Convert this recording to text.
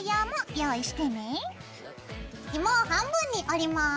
ひもを半分に折ります。